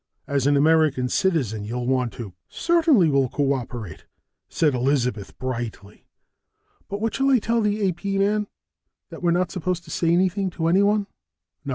As an American citizen, you'll want to " "Certainly we'll cooperate," said Elizabeth brightly. "But what shall I tell the AP man? That we're not supposed to say anything to anyone?" "No!